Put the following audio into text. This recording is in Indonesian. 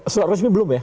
surat resmi belum ya